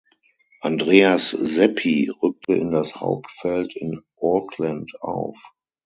Andreas Seppi rückte in das Hauptfeld in Auckland auf.